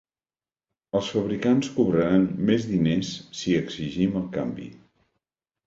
Els fabricants cobraran més diners si exigim el canvi.